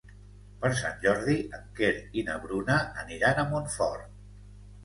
Per Sant Jordi en Quer i na Bruna aniran a Montfort.